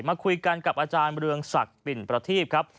มาคุยกันกับอาจารย์เรืองศักดิ์ปิ่นประทีบครับ